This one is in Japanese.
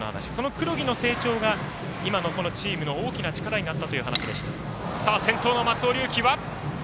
黒木の成長が今のチームの大きな力になったという話でした。